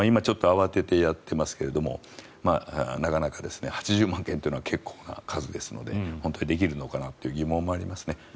今、慌ててやってますけどなかなか８０万件というのは結構な数ですので本当にできるのかなという疑問もありますね。